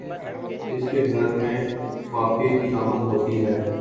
اس کے گھر میں فاقے کی آمد ہوتی ہے